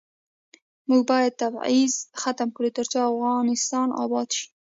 موږ باید تبعیض ختم کړو ، ترڅو افغانستان اباد شي.